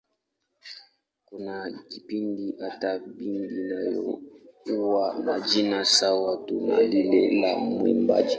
Kuna kipindi hata bendi nayo huwa na jina sawa tu na lile la mwimbaji.